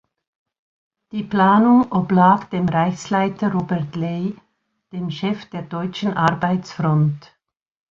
Die Planung oblag dem Reichsleiter Robert Ley, dem Chef der Deutschen Arbeitsfront.